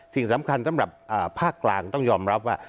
สิ่งสำคัญสำหรับภาคกลางต้องยอมรับว่า